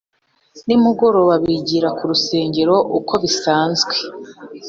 nimugoroba, bigira ku rusenge uko bisanzwe.